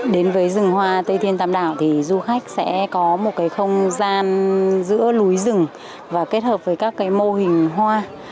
đến với rừng hoa tây thiên tàm đảo thì du khách sẽ có một không gian giữa núi rừng và kết hợp với các mô hình hoa